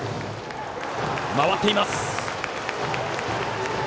回っています。